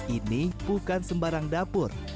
ini bukan sembarang dapur